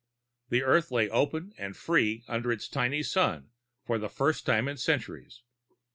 The Earth lay open and free under its tiny sun for the first time in centuries.